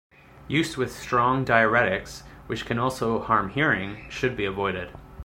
Use with strong diuretics, which can also harm hearing, should be avoided.